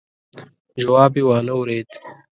جواب يې وانه ورېد.